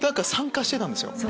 参加してたんですよ。